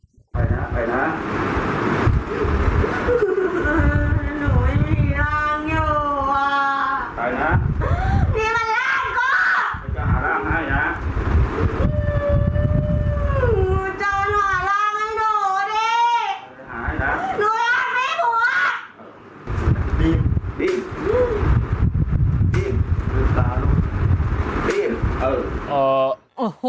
นี่มันร้านก็จะหาร้างให้นะจะหาร้างให้หนูดิหนูร้านไม่หัว